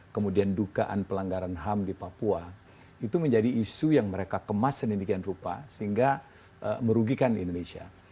kemudian dugaan pelanggaran ham di papua itu menjadi isu yang mereka kemas sedemikian rupa sehingga merugikan indonesia